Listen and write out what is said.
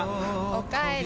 おかえり。